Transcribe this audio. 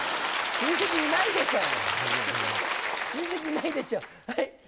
親戚いないでしょう。